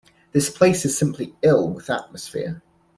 The place is simply ill with atmosphere.